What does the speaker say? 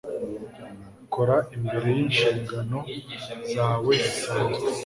Kora imbere yinshingano zawe zisanzwe